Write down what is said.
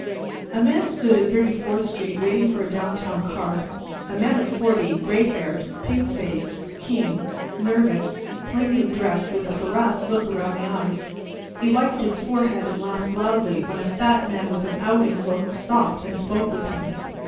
A man stood at Thirty fourth street waiting for a downtown car. A man of forty, gray haired, pink faced, keen, nervous, plainly dressed, with a harassed look around the eyes. He wiped his forehead and laughed loudly when a fat man with an outing look stopped and spoke with him.